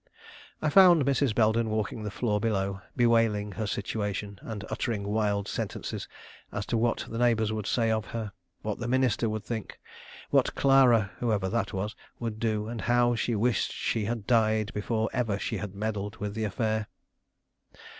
I found Mrs. Belden walking the floor below, bewailing her situation, and uttering wild sentences as to what the neighbors would say of her; what the minister would think; what Clara, whoever that was, would do, and how she wished she had died before ever she had meddled with the affair.